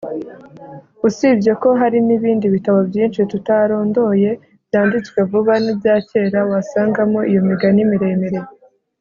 Usibye ko hari n’ibindi bitabo byinshi tutarondoye byanditswe vuba n’ibya kera wasangamo iyo migani miremire